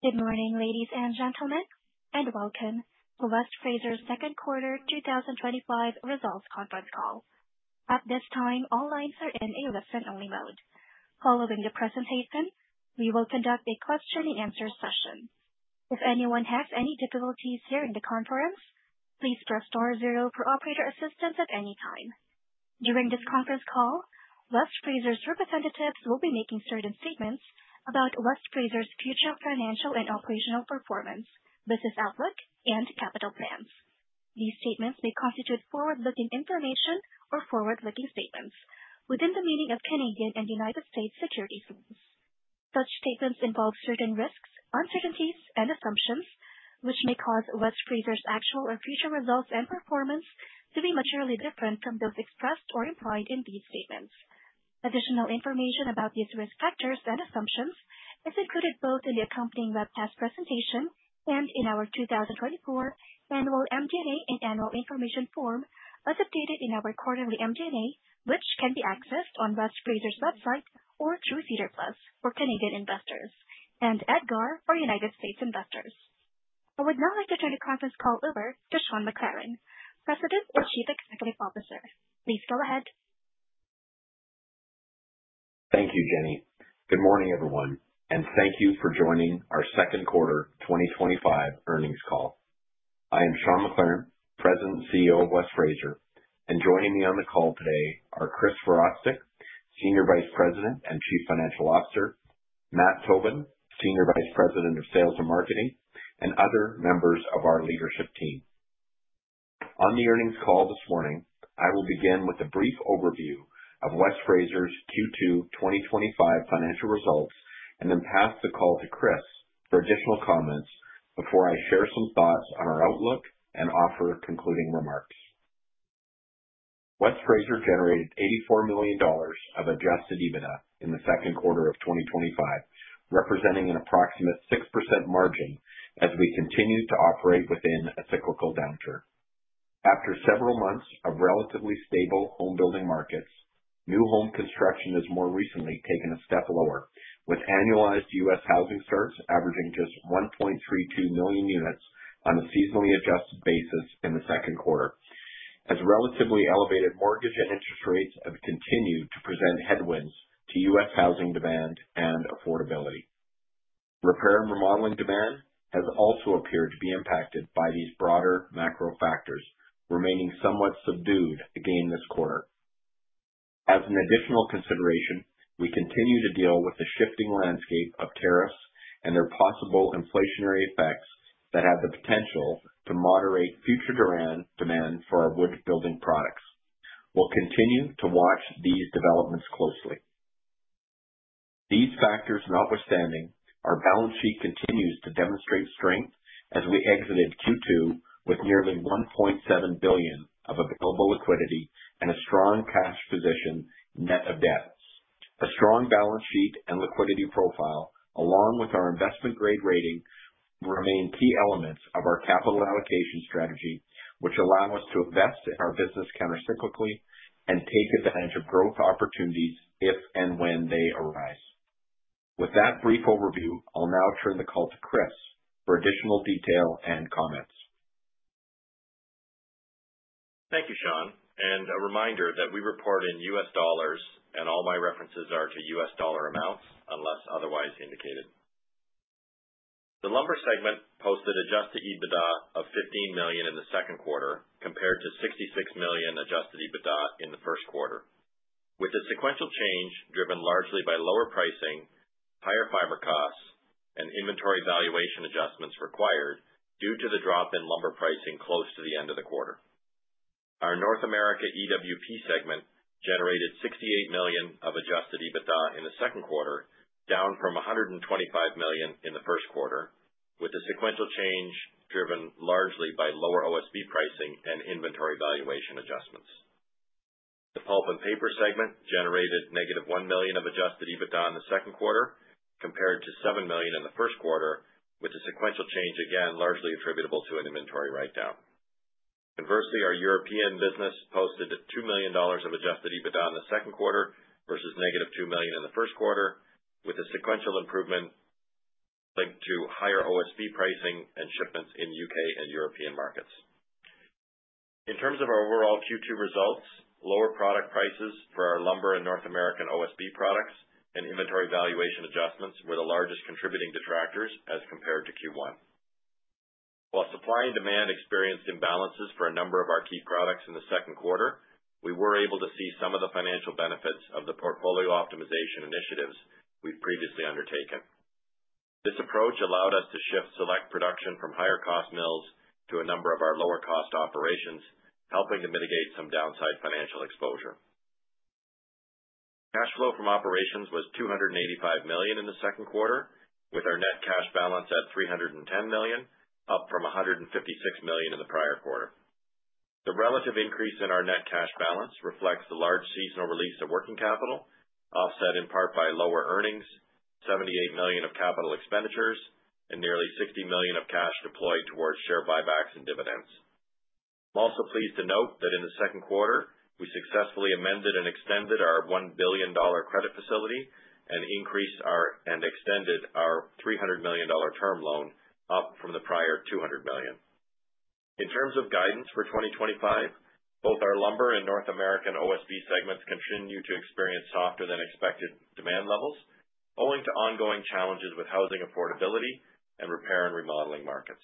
Good morning ladies and gentlemen and welcome to West Fraser's Second Quarter 2025 Results Conference Call. At this time, all lines are in a listen-only mode. Following the presentation, we will conduct a question and answer session. If anyone has any difficulties hearing the conference, please press star zero for operator assistance. At any time during this conference call, West Fraser's representatives will be making certain statements about West Fraser's future financial and operational performance, business outlook, and capital plans. These statements may constitute forward-looking information or forward-looking statements within the meaning of Canadian and United States securities laws. Such statements involve certain risks, uncertainties, and assumptions which may cause West Fraser's actual or future results and performance to be materially different from those expressed or implied in these statements. Additional information about these risk factors and assumptions is included both in the accompanying webcast presentation and in our 2024 annual MD&A and Annual Information Form as updated in our quarterly MD&A, which can be accessed on West Fraser's website or through SEDAR+ for Canadian investors and EDGAR for United States investors. I would now like to turn the conference call over to Sean McLaren, our Chief Executive Officer. Please go ahead. Thank you, Jenny. Good morning everyone and thank you for joining our Second quarter 2025 earnings call. I am Sean McLaren, President and CEO of West Fraser, and joining me on the call today are Chris Virostek, Senior Vice President and Chief Financial Officer, Matt Tobin, Senior Vice President of Sales and Marketing, and other members of our leadership team. On the earnings call this morning, I will begin with a brief overview of West Fraser's Q2 2025 financial results and then pass the call to Chris for additional comments before I share some thoughts on our outlook and offer concluding remarks. West Fraser generated $84 million of adjusted EBITDA in the second quarter of 2025, representing an approximate 6% margin. As we continue to a cyclical downturn after several months of relatively stable home building markets, new home construction has more recently taken a step lower, with annualized U.S. housing starts averaging just 1.32 million units on a seasonally adjusted basis in the second quarter as relatively elevated mortgage and interest rates have continued to present headwinds to U.S. housing demand and affordability. Repair and remodeling demand has also appeared to be impacted by these broader macro factors, remaining somewhat subdued again this quarter. As an additional consideration, we continue to deal with the shifting landscape of tariffs and their possible inflationary effects that have the potential to moderate future demand for our wood building products. We will continue to watch these developments closely. These factors notwithstanding, our balance sheet continues to demonstrate strength as we exited Q2 with nearly $1.7 billion of available liquidity and a strong cash position net of debt. A strong balance sheet and liquidity profile, along with our investment grade rating, remain key elements of our capital allocation strategy, which allow us to invest in our business countercyclically and take advantage of growth opportunities if and when they arise. With that brief overview, I'll now turn the call to Chris for additional detail and comments. Thank you, Sean, and a reminder that we report in U.S. dollars and all my references are to U.S. dollar amounts unless otherwise indicated. The Lumber segment posted adjusted EBITDA of $15 million in the second quarter compared to $66 million adjusted EBITDA in the first quarter, with the sequential change driven largely by lower pricing, higher fiber costs, and inventory valuation adjustments required due to the drop in lumber pricing close to the end of the quarter. Our North America EWP segment generated $68 million of adjusted EBITDA in the second quarter, down from $125 million in the first quarter, with the sequential change driven largely by lower OSB pricing and inventory valuation adjustments. The Pulp and Paper segment generated -$1 million of adjusted EBITDA in the second quarter compared to $7 million in the first quarter, with a sequential change again largely attributable to an inventory write down. Conversely, our European business posted $2 million of adjusted EBITDA in the second quarter versus -$2 million in the first quarter, with a sequential improvement linked to higher OSB pricing and shipments in U.K. and European markets. In terms of our overall Q2 results, lower product prices for our lumber and North American OSB products and inventory valuation adjustments were the largest contributing detractors as compared to Q1. While supply and demand experienced imbalances for a number of our key products in the second quarter, we were able to see some of the financial benefits of the portfolio optimization initiatives we've previously undertaken. This approach allowed us to shift select production from higher cost mills to a number of our lower cost operations, helping to mitigate some downside financial exposure. Cash flow from operations was $285 million in the second quarter, with our net cash balance at $310 million, up from $156 million in the prior quarter. The relative increase in our net cash balance reflects the large seasonal release of working capital, offset in part by lower earnings, $78 million of capital expenditures, and nearly $60 million of cash deployed towards share buybacks and dividends. I'm also pleased to note that in the second quarter we successfully amended and extended our $1 billion credit facility and increased and extended our $300 million term loan, up from the prior $200 million. In terms of guidance for 2025, both our Lumber and North American OSB segments continue to experience softer than expected demand levels owing to ongoing challenges with housing affordability and repair and remodeling markets.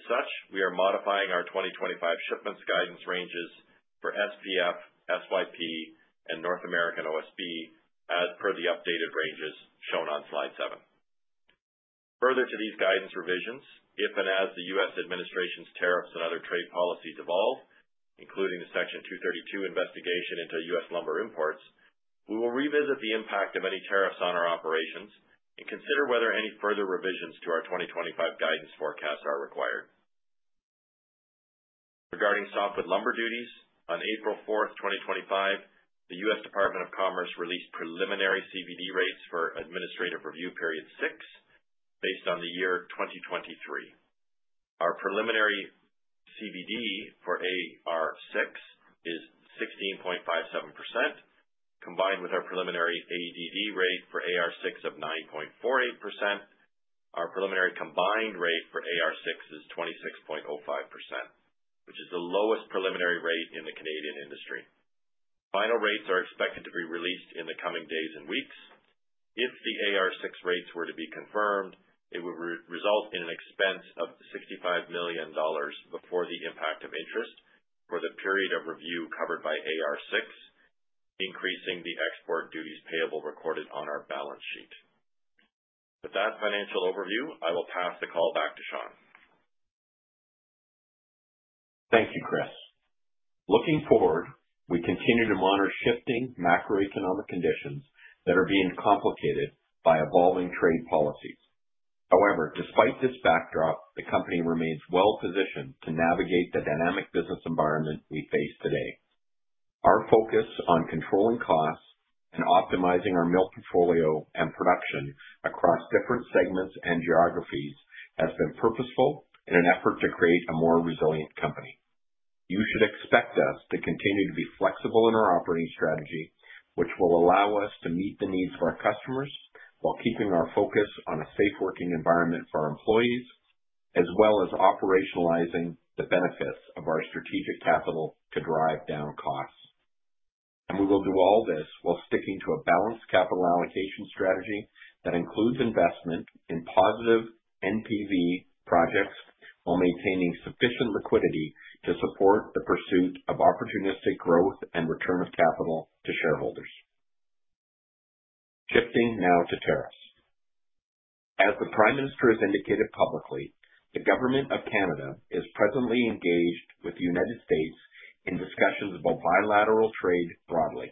As such, we are modifying our 2025 shipments guidance ranges for SPF, SYP, and North American OSB as per the updated ranges shown on slide seven. Further to these guidance revisions, if and as the U.S. administration's tariffs and other trade policies evolve, including the Section 232 investigation into U.S. lumber imports, we will revisit the impact of any tariffs on our operations and consider whether any further revisions to our 2025 guidance forecast are required. Regarding softwood lumber duties, on April 4th, 2025, the U.S. Department of Commerce released preliminary CVD rates for administrative review period six based on the year 2023. Our preliminary CVD for AR6 is 16.57%, combined with our preliminary ADD rate for AR6 of 9.48%. Our preliminary combined rate for AR6 is 26.05%, which is the lowest preliminary rate in the Canadian industry. Final rates are expected to be released in the coming days and weeks. If the AR6 rates were to be confirmed, it would result in an expense of $65 million before the impact of interest for the period of review covered by AR6, increasing the export duties payable recorded on our balance sheet. With that financial overview, I will pass the call back to Sean. Thank you, Chris. Looking forward, we continue to monitor shifting macroeconomic conditions that are being complicated by evolving trade policies. However, despite this backdrop, the company remains well positioned to navigate the dynamic business environment we face today. Our focus on controlling costs and optimizing our mill portfolio and production across different segments and geographies has been purposeful in an effort to create a more resilient company. You should expect us to continue to be flexible in our operating strategy, which will allow us to meet the needs of our customers while keeping our focus on a safe working environment for our employees as well as operationalizing the benefits of our strategic capital to drive down costs. We will do all this while sticking to a balanced capital allocation strategy that includes investment in positive NPV projects while maintaining sufficient liquidity to support the pursuit of opportunistic growth and return of capital to shareholders. Shifting now to tariffs, as the Prime Minister has indicated publicly, the Canadian government is presently engaged with the United States in discussions about bilateral trade. Broadly,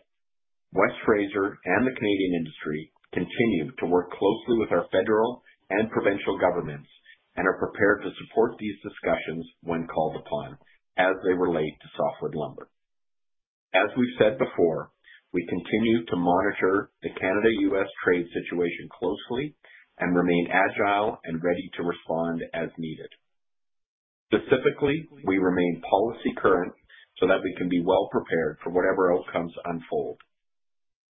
West Fraser and the Canadian industry continue to work closely with our federal and provincial governments and are prepared to support these discussions when called upon as they relate to softwood lumber. As we've said before, we continue to monitor the Canada-U.S. trade situation closely and remain agile and ready to respond as needed. Specifically, we remain policy current so that we can be well prepared for whatever outcomes unfold.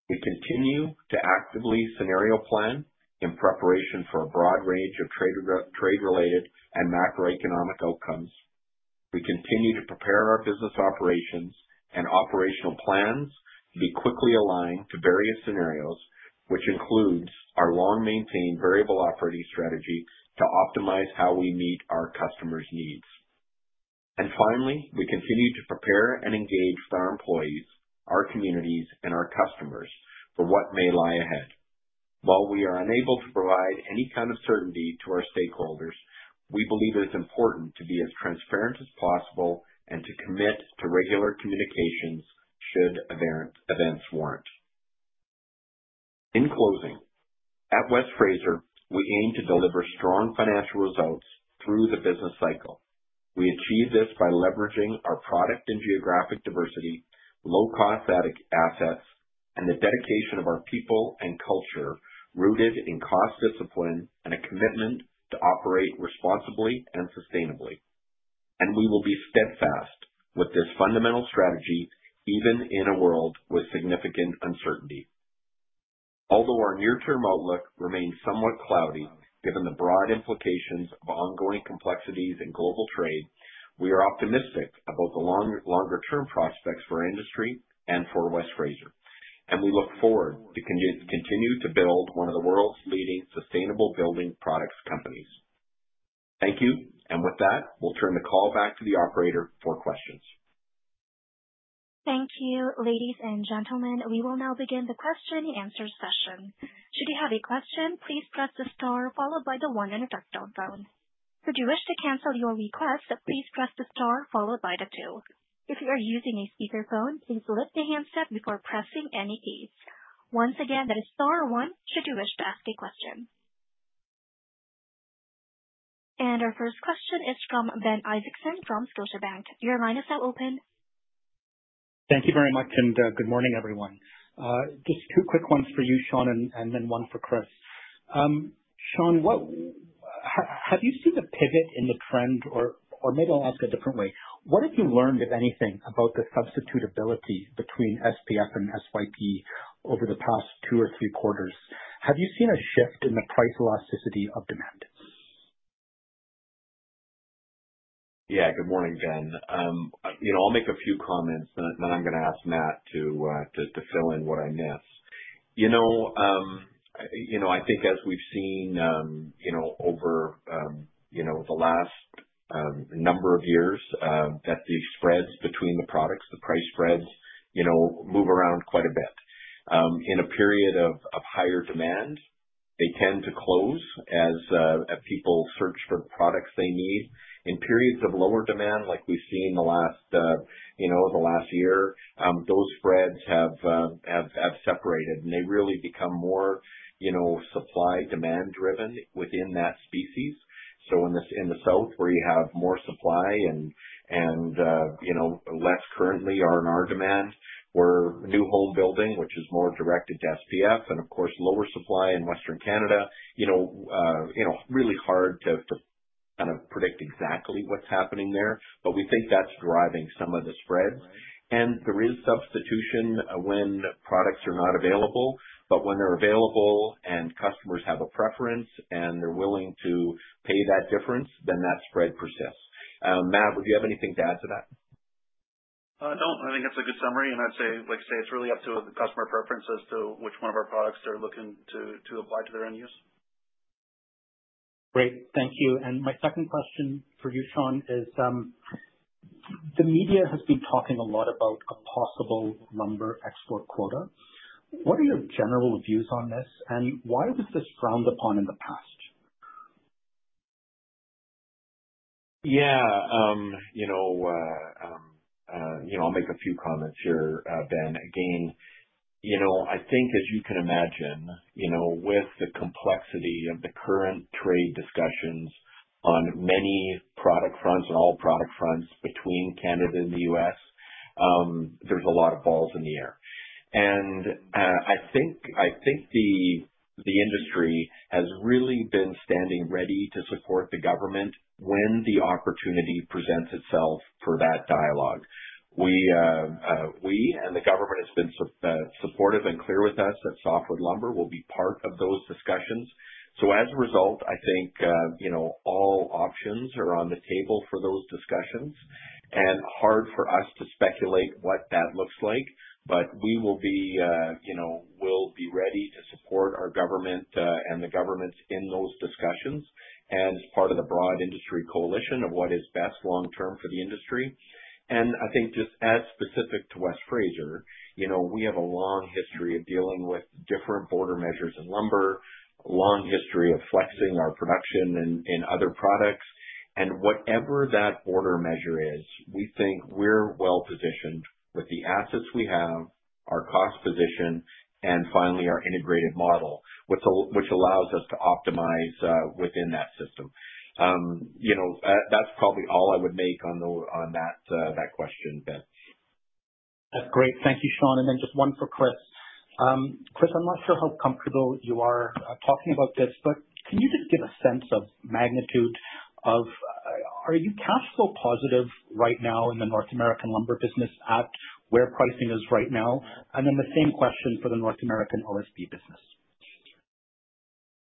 We continue to actively scenario plan in preparation for a broad range of trade-related and macroeconomic outcomes. We continue to prepare our business operations and operational plans to be quickly aligned to various scenarios, which includes our long maintained variable operating strategy to optimize how we meet our customers' needs. Finally, we continue to prepare and engage our employees, our communities, and our customers for what may lie ahead. While we are unable to provide any kind of certainty to our stakeholders, we believe it is important to be as transparent as possible and to commit to regular communications should events warrant. In closing, at West Fraser we aim to deliver strong financial results through the business cycle. We achieve this by leveraging our product and geographic diversity, low-cost assets, and the dedication of our people and culture rooted in cost discipline and a commitment to operate responsibly and sustainably. We will be steadfast with this fundamental strategy even in a world with significant uncertainty. Although our near-term outlook remains somewhat cloudy given the broad implications of ongoing complexities in global trade, we are optimistic about the longer-term prospects for our industry and for West Fraser. We look forward to continue to build one of the world's leading sustainable building products companies. Thank you. With that, we'll turn the call back to the operator for questions. Thank you. Ladies and gentlemen, we will now begin the question and answer session. Should you have a question, please press the star followed by the one on the touch-tone phone. If you wish to cancel your request, please press the star followed by the two. If you are using a speakerphone, please lift the handset before pressing any keys. Once again, that is star one should you wish to ask a question. Our first question is from Ben Isaacson from Scotiabank. Your line is now open. Thank you very much and good morning everyone. Just two quick ones for you, Sean, and then one for Chris. Sean, have you seen a pivot in the trend? Or maybe I'll ask a different way. What have you learned, if anything, about the substitutability between SPF and SYP over the past two or three quarters? Have you seen a shift in the price elasticity of demand? Yeah. Good morning, Ben. I'll make a few comments, then I'm going to ask Matt to fill in what I miss. I think as we've seen over the last number of years, the spreads between the products, the price spreads, move around quite a bit in a period of higher demand. They tend to close as people search for products they need. In periods of lower demand, like we've seen the last year, those spreads have separated and they really become more supply demand driven within that species. In the South, where you have more supply and less currently R&R demand, where new home building, which is more directed to SPF and of course lower supply in Western Canada, it's really hard to predict exactly what's happening there. We think that's driving some of the spreads. There is substitution when products are not available. When they're available and customers have a preference and they're willing to pay that difference, that spread persists. Matt, would you have anything to add to that? No, I think it's a good summary. I'd say, like I say, it's. Really up to the customer preference to which one of our products they're referring looking to apply to their end use. Great, thank you. My second question for you, Sean, is the media has been talking a lot about a possible lumber export quota. What are your general views on this and why was this frowned upon in the past? Yeah, I'll make a few comments here, Ben. I think as you can imagine, with the complexity of the current trade discussions on many product fronts and all product fronts between Canada and the U.S., there's a lot of balls in the air. I think the industry has really been standing ready to support the government when the opportunity presents itself for that dialogue. We and the government have been supportive and clear with us that softwood lumber will be part of those discussions. As a result, I think all options are on the table for those discussions and it is hard for us to speculate what that looks like, but we will be ready to support our government and the governments in those discussions as part of the broad industry coalition of what is best long term for the industry. Just as specific to West Fraser, we have a long history of dealing with different border measures in lumber, a long history of flexing our production and other products, and whatever that border measure is, we think we're well positioned with the assets we have, our cost position, and finally our integrated model which allows us to optimize within that system. That's probably all I would make on that question, Ben. That's great. Thank you, Sean. Just one for Chris. Chris, I'm not sure how comfortable you are talking about this, but can you just give a sense of magnitude of are you cash flow positive right now in the North American lumber business at where pricing is right now? The same question for the North American OSB business.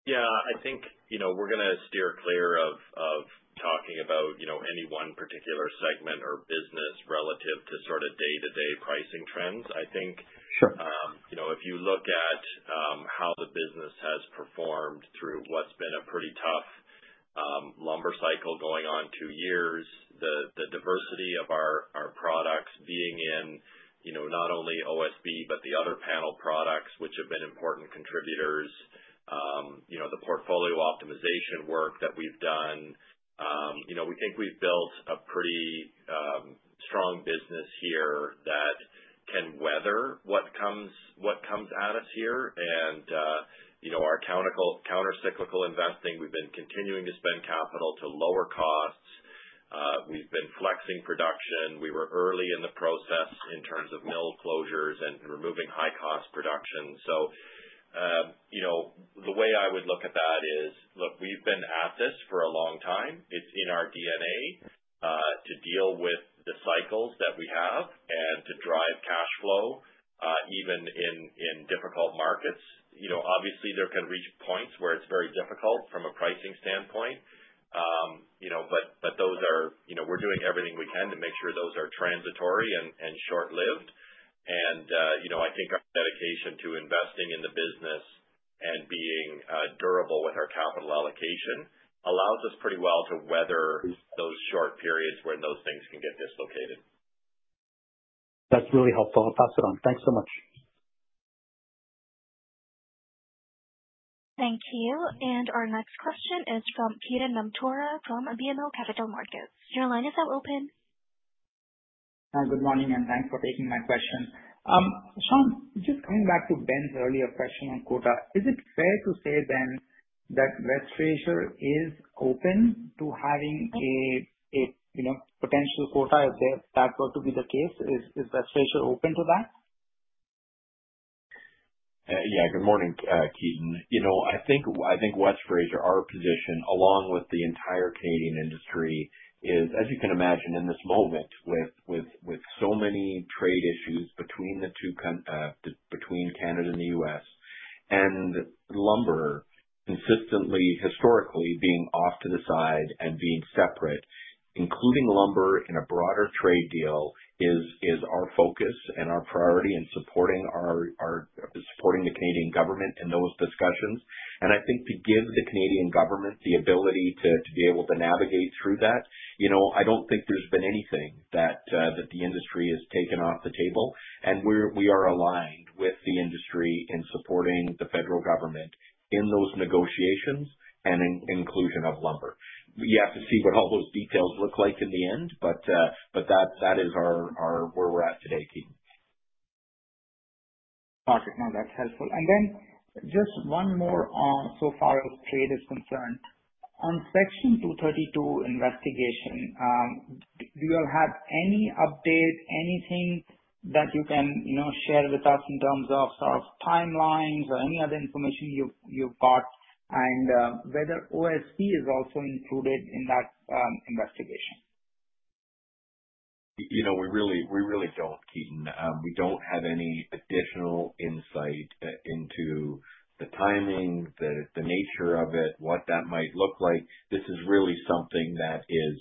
Yeah, I think we're going to steer clear of talking about any one particular segment or business relative to sort of day-to-day pricing trends. I think if you look at how the business has performed through what's been a pretty tough lumber cycle going on two years, the diversity of our products being in not only OSB, but the other panel products which have been important contributors, the portfolio optimization work that we've done, we think we've built a pretty strong business here that can weather what comes at us here and our countercyclical investing. We've been continuing to spend capital to lower costs. We've been flexing production. We were early in the process in terms of mill closures and removing high-cost production. The way I would look at that is, look, we've been at this for a long time. It's in our DNA to deal with the cycles that we have and to drive cash flow even in difficult markets. Obviously, there can reach points where it's very difficult from a pricing standpoint, but we're doing everything we can to make sure those are transitory and short-lived. I think our dedication to investing in the business and being durable with our capital allocation allows us pretty well to weather those short periods when those things can get dislocated. That's really helpful. I'll pass it on. Thanks so much. Thank you. Our next question is from Ketan Mamtora from BMO Capital Markets. Your line is now open. Good morning and thanks for taking my question. Sean, just coming back to Ben's earlier question on quota, is it fair to say then that West Fraser is open to having a potential quota if that were to be the case? Is West Fraser open to that? Yeah. Good morning, Ketan. You know, I think West Fraser, our position along with the entire Canadian industry is, as you can imagine in this moment, with so many trade issues between the two, between Canada and the U.S., and lumber consistently historically being off to the side and being separate. Including lumber in a broader trade deal is our focus and our priority in supporting the Canadian government in those discussions. I think to give the Canadian government the ability to be able to navigate through that. I don't think there's been anything that the industry has taken off the table, and we are aligned with the industry in supporting the federal government in those negotiations and inclusion of lumber. You have to see what all those. Details look like in the end. That is where we're at today, Ketan. Got it. Now that's helpful. Just one more. So far as trade is concerned on Section 232 investigation, do you have any update, anything that you can share with us in terms of timelines or any other information you've got and whether OSB is also included in that investigation? We really don't, Ketan. We don't have any additional insight into the timing, the nature of it, what that might look like. This is really something that is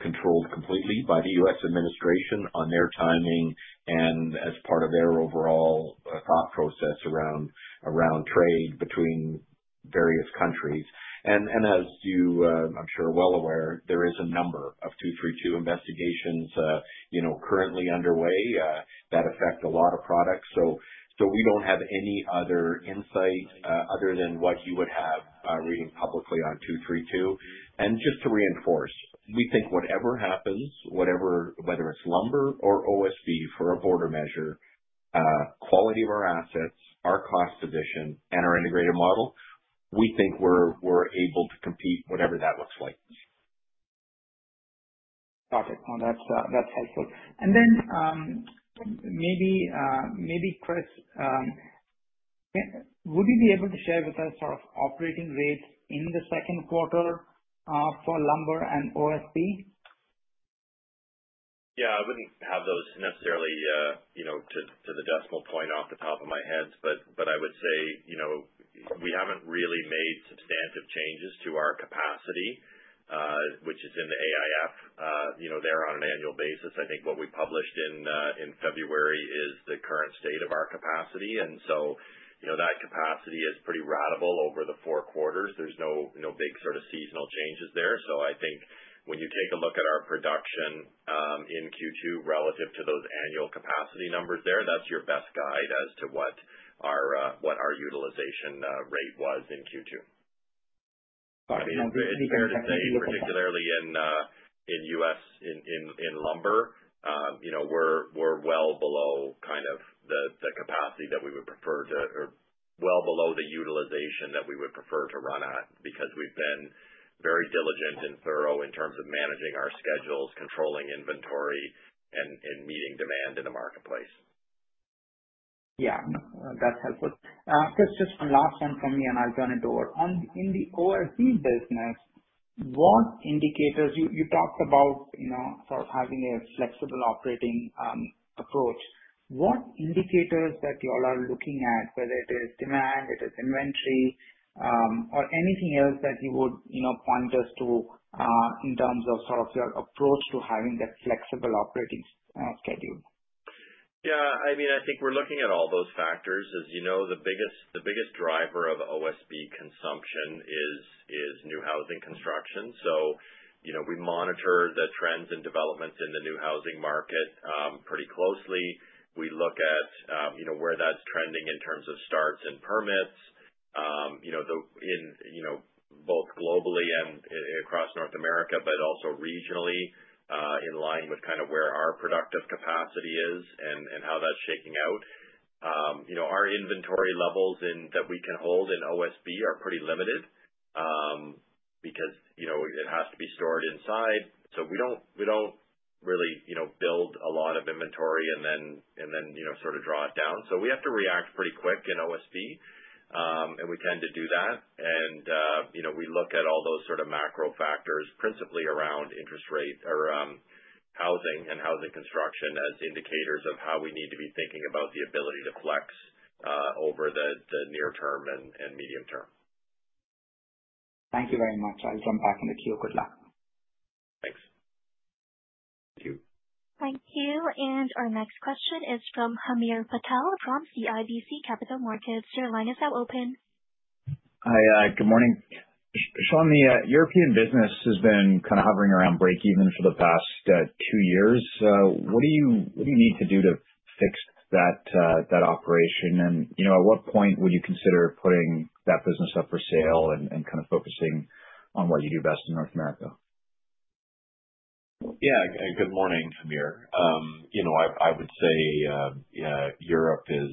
controlled completely by the U.S. Administration on their timing and as part of their overall thought process around trade between various countries. As you, I'm sure, are well aware, there is a number of 232 investigations currently underway that affect a lot of products. We don't have any other insight other than what you would have reading publicly on 232. Just to reinforce, we think whatever happens, whether it's lumber or OSB for a border measure, quality of our assets, our cost addition and our integrated model, we think we're able to compete, whatever that looks like. Got it. That's helpful. Chris, would you be able to share with us sort of operating rates in the second quarter for lumber and OSB? Yes, I wouldn't have those necessarily to the decimal point off the top of my head, but I would say we haven't really made substantive changes to our capacity, which is in the AIF there on an annual basis. I think what we published in February is the current state of our capacity, and that capacity is pretty ratable over the four quarters. There's no big sort of seasonal changes there. I think when you take a look at our production in Q2 relative to those annual capacity numbers, that's your best guide as to what our utilization rate was in Q2, particularly in the U.S. in lumber. We're well below kind of the capacity that we would prefer to, well below the utilization that we would prefer to run on because we've been very diligent and thorough in terms of managing our schedules, controlling inventory, and meeting demand in the marketplace. Yes, that's helpful. Just one last one from me and I'll turn it over. In the OSB business, what indicators—you talked about having a flexible operating approach—what indicators are you all looking at, whether it is demand, inventory, or anything else that you would point us to in terms of your approach to having that flexible operating schedule? Yeah, I mean, I think we're looking at all those factors. As you know, the biggest driver of OSB consumption is new housing construction. We monitor the trends and developments in the new housing market pretty closely. We look at where that's trending in terms of starts and permits, both globally and across North America, but also regionally in line with kind of where our productive capacity is and how that's shaking out. Our inventory levels that we can hold in OSB are pretty limited because it has to be stored inside. We don't really build a lot of inventory and then sort of draw it down. We have to react pretty quick in OSB, and we tend to do that. We look at all those sort of macro factors, principally around interest rate or housing and housing construction, as indicators of how we need to be thinking about the ability to flex over the near term and medium term. Thank you very much. I'll jump back in the queue. Good luck. Thanks. Thank you. Our next question is from Hamir Patel from CIBC Capital Markets. Your line is now open. Hi, good morning, Sean. The European business has been kind of hovering around break even for the past two years. What do you need to do to fix that operation? At what point would you consider putting that business up for sale and kind of focusing on what you do best in North America? Yeah. Good morning, Hamir. I would say Europe is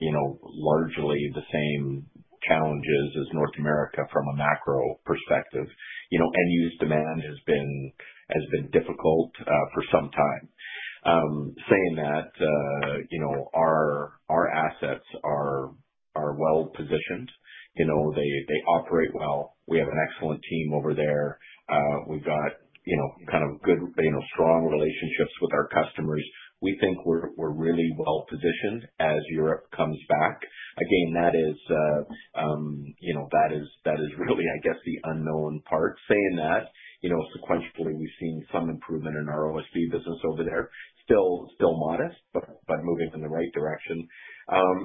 largely the same challenges as North America from a macro perspective. End use demand has been difficult for some time. Saying that, our assets are well positioned, they operate well. We have an excellent team over there. We've got kind of good, strong relationships with our customers. We think we're really well positioned as Europe comes back again. That is really, I guess, the unknown part. Saying that, sequentially we've seen some improvement in our OSB business over there. Still modest, but moving in the right direction.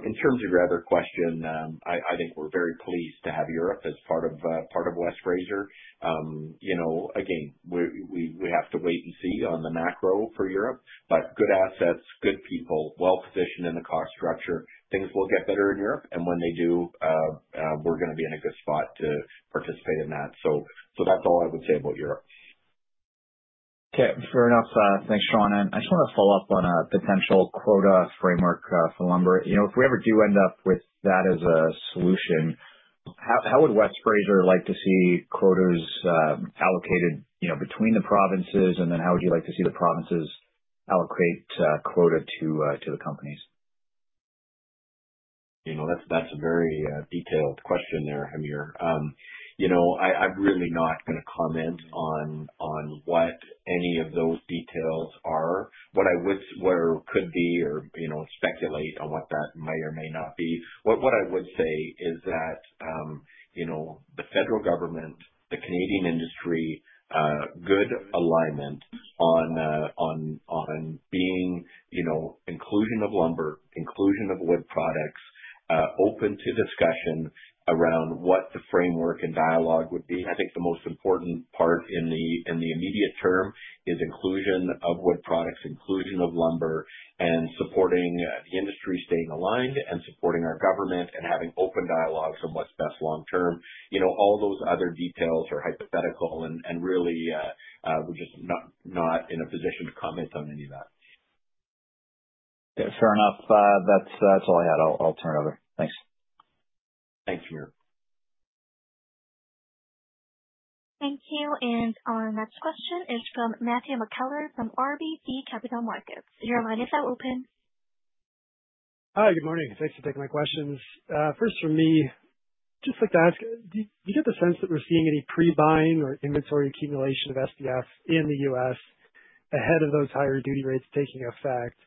In terms of your other question, I think we're very pleased to have Europe as part of West Fraser. Again, we have to wait and see on the macro for Europe, but good assets, good people, well positioned in the cost structure. Things will get better in Europe and when they do, we're going to be in a good spot to participate in that. That's all I would say about Europe. Okay, fair enough. Thanks, Sean. I just want to follow up on a potential quota framework for lumber. If we ever do end up with that as a solution, how would West Fraser like to see quotas allocated between the provinces? Then how would you like to see the provinces allocate quota to the companies? That's a very detailed question there, Hamir. I'm really not going to comment on what any of those details are, or speculate on what that may or may not be. What I would say is that the federal government, the Canadian industry, good alignment on being inclusion of lumber, inclusion of wood products, open to discussion around what the framework and dialogue would be. I think the most important part in the immediate term is inclusion, inclusion of wood products, inclusion of lumber and supporting the industry, staying aligned and supporting our government and having open dialogues on what's best long term. All those other details are hypothetical and really we're just not in a position to comment on any of that. Fair enough. That's all I had. I'll turn it over. Thanks. Thank you. Thank you. Our next question is from Matthew McKellar from RBC Capital Markets. Your line is now open. Hi, good morning. Thanks for taking my questions. First from me, just like to ask, do you get the sense that we're seeing any pre buying or inventory accumulation of SPF in the U.S. ahead of those higher duty rates taking effect?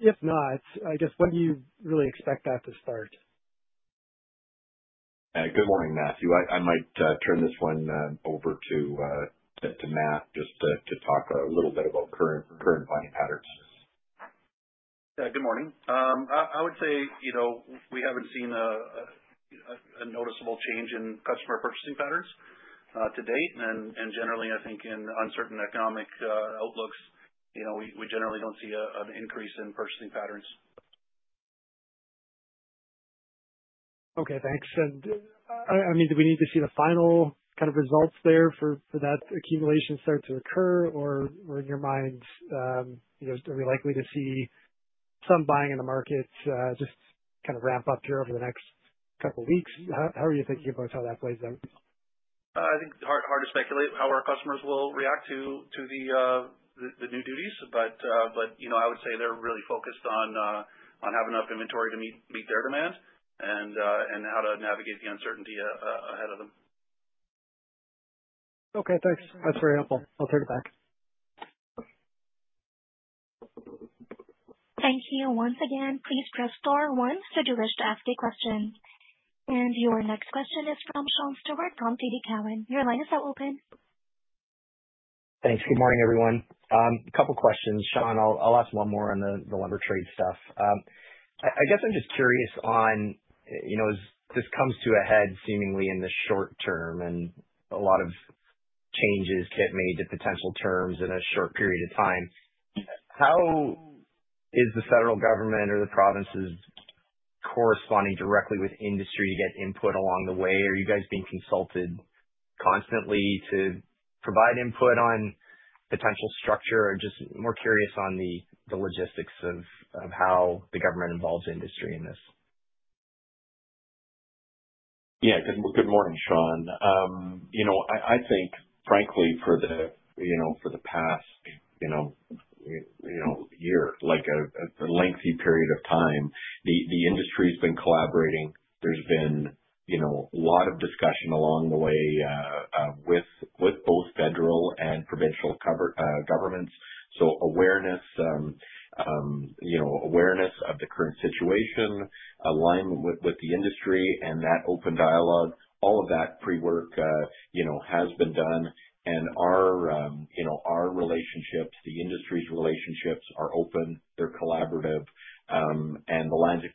If not, I guess when do you really expect that to start? Good morning, Matthew. I might turn this one over to Matt just to talk a little bit about current buying patterns. Good morning. I would say we haven't seen a noticeable change in customer purchasing patterns to date. In uncertain economic outlooks, we generally don't see an increase in purchasing patterns. Okay, thanks. Do we need to see the final kind of results there for that accumulation to start to occur? In your mind, are we likely to see some buying in the market just kind of ramp up here over the next couple weeks? How are you thinking about how that plays out? I think it's hard to speculate how our customers will react to the new duties, but I would say they're really focused on having enough inventory to meet their demand and how to navigate the uncertainty ahead of them. Okay, thanks, that's very helpful. I'll turn it back. Thank you. Once again, please press star one should you wish to ask a question. Your next question is from Sean Steuart on TD Cowen. Your line is now open, please. Thanks. Good morning everyone. A couple questions, Sean. I'll ask one more on the lumber trade stuff. I'm just curious on, you know, as this comes to a head seemingly in the short term and a lot of changes get made to potential terms in a short period of time, how is the federal government or the provinces corresponding directly with industry to get input along the way? Are you guys being consulted constantly to provide input on potential structure or just more curious on the logistics of how the government involves industry in this? Yeah. Good morning, Sean. I think frankly for the past year, like a lengthy period of time, the industry has been collaborating. There's been a lot of discussion along the way with both federal and provincial governments. Awareness of the current situation, alignment with the industry, and that open dialogue, all of that pre-work has been done and our relationships, the industry's relationships, are open, they're collaborative, and the lines of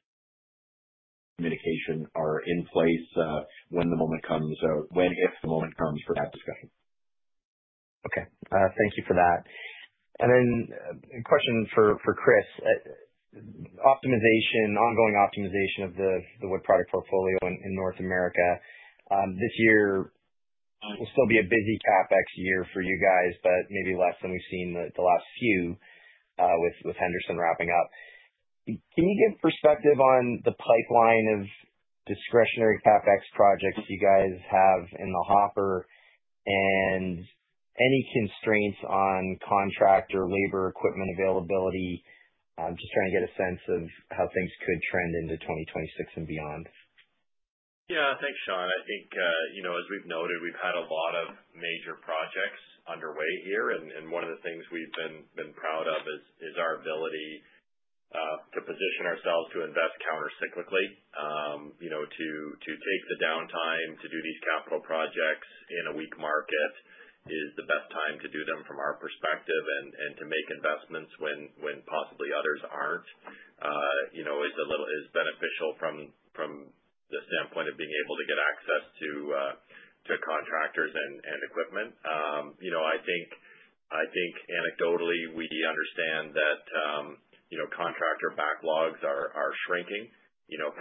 communication are in place when the moment comes, if the moment comes for that discussion. Thank you for that. A question for Chris. Ongoing optimization of the wood product portfolio in North America this year will still be a busy CapEx year for you guys, but maybe less than we've seen the last few. With Henderson wrapping up, can you give perspective on the pipeline of discretionary capex projects you guys have in the hopper and any constraints on contract or labor equipment availability? Just trying to get a sense of how things could trend into 2026 and beyond. Yeah, thanks, Sean. As we've noted, we've had a lot of major projects underway here and one of the things we've been proud of is our ability to position ourselves to invest counter cyclically to take the downtime. To do these capital projects in a weak market is the best time to do them from our perspective. To make investments when possibly others aren't is beneficial from the standpoint of being able to get access to contractors and equipment. Anecdotally, we understand that contractor backlogs are shrinking.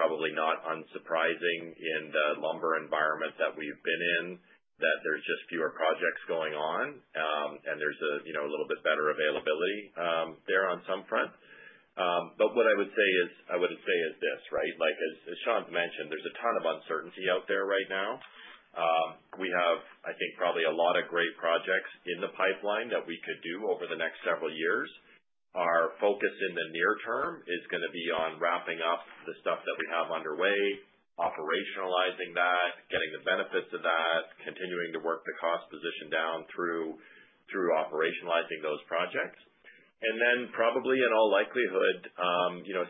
Probably not unsurprising in the lumber environment that we've been in that there's just fewer projects going on and there's a little bit better availability there on some front. What I would say is this, right, like as Sean's mentioned, there's a ton of uncertainty out there right now. We have probably a lot of great projects in the pipeline that we could do over the next several years. Our focus in the near term is going to be on wrapping up the stuff that we have underway, operationalizing that, getting the benefits of that, continuing to work the cost position down through operationalizing those projects and then probably in all likelihood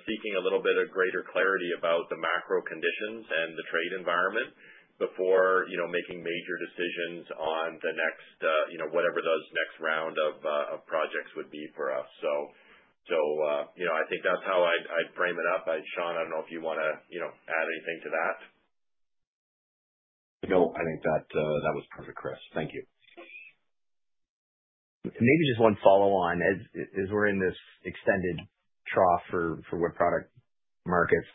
seeking a little bit of greater clarity about the macro conditions and the trade environment before making major decisions on whatever those next round of projects would be for us. I think that's how I'd frame it up. Sean, I don't know if you want to add anything to that. No, I think that was perfect. Chris, thank you. Maybe just one follow on as we're in this extended trough for wood product markets.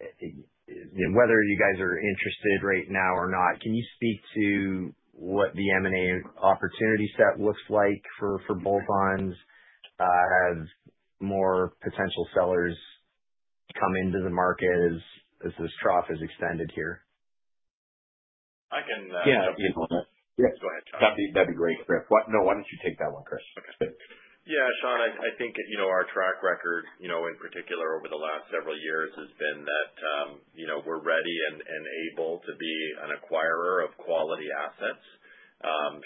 Whether you guys are interested right now or not, can you speak to what the M&A opportunity set looks like for bolt ons? Have more potential sellers come into the market as this trough has extended here? I can go ahead. That'd be great. No, why don't you take that one, Chris? Yes, Sean, I think our track record in particular over the last several years has been that we're ready and able to be an acquirer of quality assets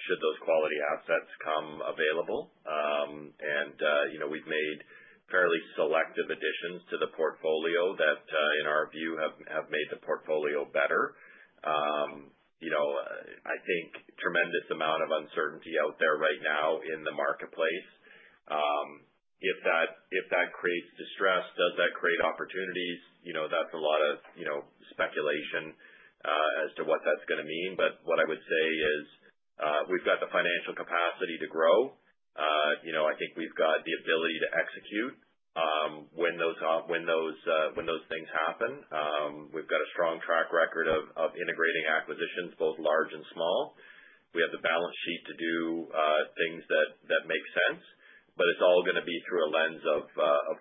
should those quality assets come available. We've made fairly selective additions to the portfolio that in our view have made the portfolio better, I think. Tremendous amount of uncertainty out there right now in the marketplace. If that creates distress, does that create opportunities? That's a lot of speculation as to what that's going to mean. What I would say is we've got the financial capacity to grow. I think we've got the ability to execute when those things happen. We've got a strong track record of integrating acquisitions both large and small. We have the balance sheet to do things that make sense. It's all going to be through a lens of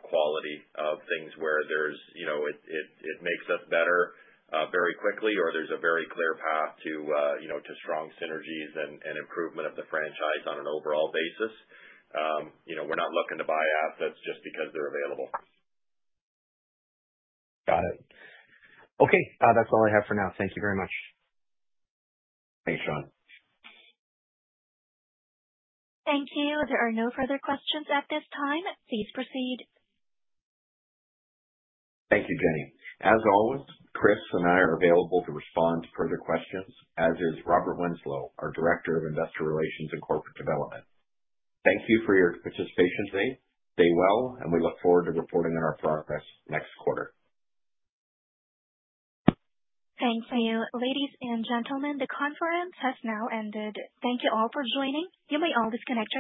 quality of things where it makes us better very quickly or there's a very clear path to strong synergies and improvement of the franchise on an overall basis. We're not looking to buy assets just because they're available. Got it. Okay, that's all I have for now. Thank you very much. Thanks, Sean. Thank you. There are no further questions at this time. Please proceed. Thank you, Jenny. As always, Chris and I are available to respond to further questions, as is Robert Winslow, our Director of Investor Relations and Corporate Development. Thank you for your participation today. Stay well, and we look forward to reporting on our progress next quarter. Thank you. Ladies and gentlemen, the conference has now ended. Thank you all for joining. You may all disconnect.